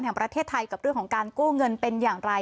แห่งประเทศไทยกับเรื่องของการกู้เงินเป็นอย่างไร